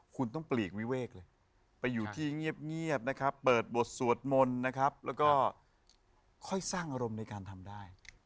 คุณต้องปลีกวิเวกเลยไปอยู่ที่เงียบนะครับเปิดบทสวดมนต์นะครับแล้วก็ค่อยสร้างอารมณ์ในการทำได้